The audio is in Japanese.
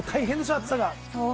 暑さが。